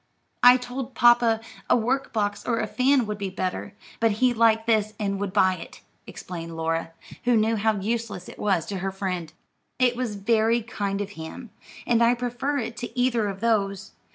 "I told papa a work box or a fan would be better; but he liked this and would buy it," explained Laura, who knew how useless it was to her friend. "It was very kind of him, and I prefer it to either of those.